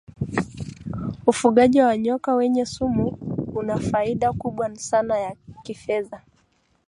ufugaji wa nyoka wenye sumu unafaida kubwa sana ya kifedha